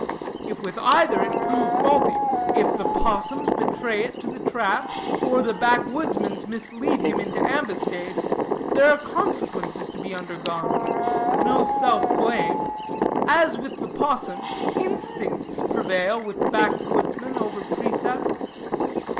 If with either it prove faulty, if the 'possum's betray it to the trap, or the backwoodsman's mislead him into ambuscade, there are consequences to be undergone, but no self blame. As with the 'possum, instincts prevail with the backwoodsman over precepts.